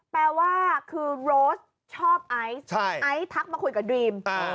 แปลว่าคือโรสชอบไอซ์ไอซ์ทักมาคุยกับดรีม